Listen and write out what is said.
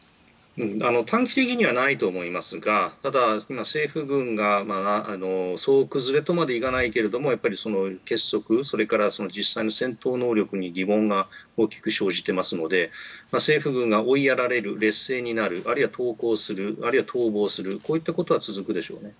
短期的にはないと思いますがただ、政府軍が総崩れとまではいかないけれども結束、それから実際の戦闘能力に疑問が大きく生じていますので政府軍が追いやられる劣勢になる、あるいは投降するあるいは逃亡するこういったことは続くでしょう。